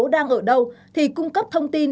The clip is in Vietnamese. đang ở đâu thì cung cấp thông tin